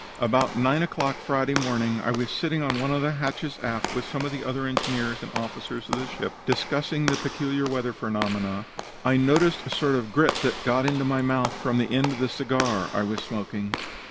"About nine o'clock Friday morning I was sitting on one of the hatches aft with some of the other engineers and officers of the ship, discussing the peculiar weather phenomena. I noticed a sort of grit that got into my mouth from the end of the cigar I was smoking.